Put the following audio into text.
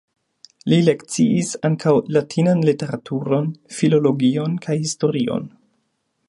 Li lekciis ankaŭ latinan literaturon, filologion kaj historion.